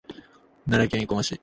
奈良県生駒市